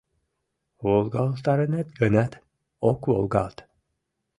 Волгалтарынет гынат, ок волгалт.